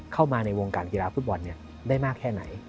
เข้ามาในวงการกีฬาฟุตบอลได้มากแค่ไหน